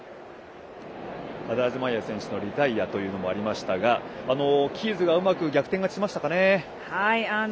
ハダージマイア選手のリタイアもありましたがキーズがうまく逆転しましたね。